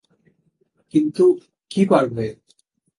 কিন্তু কি পারবে?